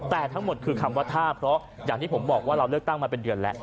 แต่ทั้งหมดคือคำว่าท่าเพราะอย่างที่ผมบอกว่าเราเลือกตั้งมาเป็นเดือนแล้ว